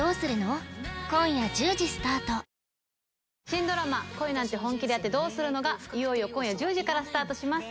新ドラマ『恋なんて、本気でやってどうするの？』がいよいよ今夜１０時からスタートします。